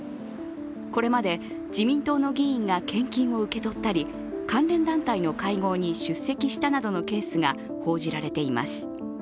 これまで自民党の議員が献金を受け取ったり、関連団体の会合に出席したなどのケースが報じられています。